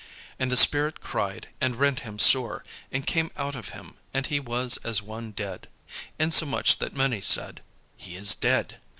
And the spirit cried, and rent him sore, and came out of him: and he was as one dead; insomuch that many said, "He is dead."